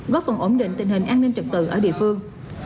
góp phần ổn định tình hình an ninh trực tự ở địa phương